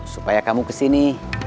supaya kamu kesini